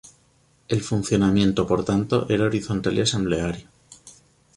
El funcionamiento, por tanto, era horizontal y asambleario.